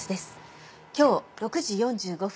今日６時４５分